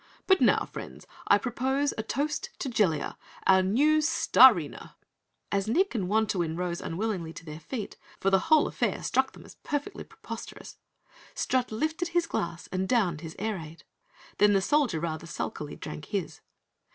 But now, friends, I propose a toast to Jellia, our new Starina!" As Nick and Wantowin rose unwillingly to their feet, for the whole affair struck them as perfectly preposterous, Strut lifted his glass and downed his air ade. Then the Soldier rather sulkily drank his.